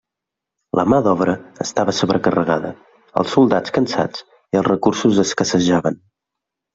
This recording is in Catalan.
La mà d'obra estava sobrecarregada, els soldats cansats i els recursos escassejaven.